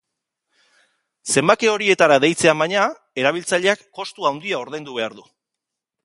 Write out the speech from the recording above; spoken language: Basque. Zenbaki horietara deitzean, baina, erabiltzaileak kostu handia ordaindu behar du.